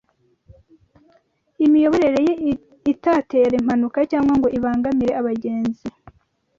imiyoborere ye itatera impanuka cyangwa ngo ibangamire abagenzi